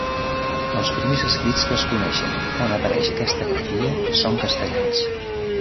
Els primers escrits que es coneixen on apareix aquesta grafia són castellans.